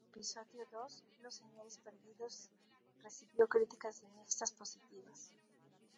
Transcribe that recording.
El episodio dos: los señores perdidos recibió críticas de mixtas positivas.